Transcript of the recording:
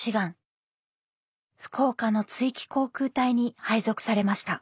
福岡の築城航空隊に配属されました。